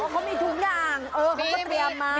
เขามีทุกอย่างเขาก็เตรียมมา